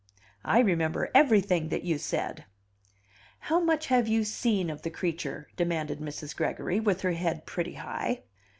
"I remember everything that you said." "How much have you seen of the creature?" demanded Mrs. Gregory, with her head pretty high.